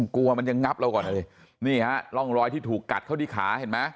กลัวมันยังงับเราก่อนเลยนี่ฮะร่องรอยที่ถูกกัดเข้าที่ขาเห็นไหม